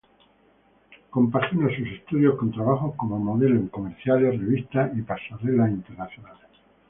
Compagina sus estudios con trabajos como modelo en comerciales, revistas y pasarelas internacionales.